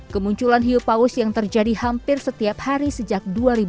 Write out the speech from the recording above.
kemunculan hiupaus yang terjadi hampir setiap hari sejak dua ribu enam belas